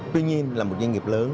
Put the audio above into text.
tuy nhiên là một doanh nghiệp lớn